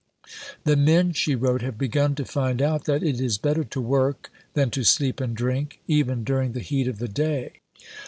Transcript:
"The men," she wrote, "have begun to find out that it is better to work than to sleep and drink, even during the heat of the day.